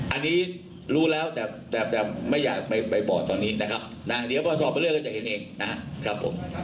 อันนี้รู้แล้วแต่ไม่อยากไปบอกตอนนี้นะครับนะเดี๋ยวพอสอบไปเรื่อยก็จะเห็นเองนะครับผม